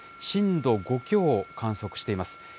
震度５強を観測しています。